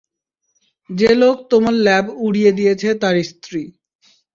যে লোক তোমার ল্যাব উড়িয়ে দিয়েছে তার স্ত্রী।